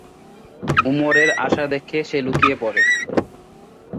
উমরের আসা দেখে সে লুকিয়ে পরে।